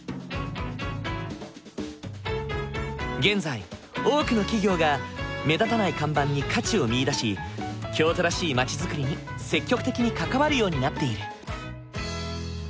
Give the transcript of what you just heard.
現在多くの企業が目立たない看板に価値を見いだし京都らしい街づくりに積極的に関わるようになっている。